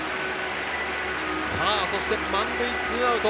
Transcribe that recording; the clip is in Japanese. そして満塁２アウト。